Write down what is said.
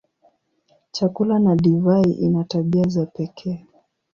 Chakula na divai ina tabia za pekee.